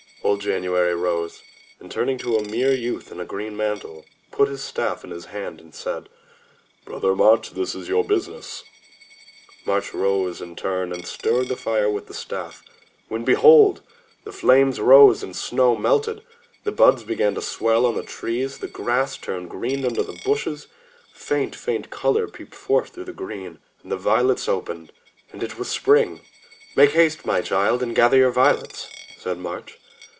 Old January rose, and turning to a mere youth in a green mantle, put his staff in his hand and said: "Brother March, this is your business." March rose in turn and stirred the fire with the staff, when behold! the flames rose, the snow melted, the buds began to swell on the trees, the grass turned green under the bushes, faint, faint color peeped forth through the green, and the violets opened, — it was Spring. 147 MY BOOK HOUSE "Make haste, my child, and gather your violets," said March.